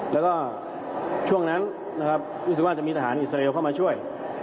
แล้วก็ช่วงนั้นนะครับรู้สึกว่าจะมีทหารอิสราเอลเข้ามาช่วย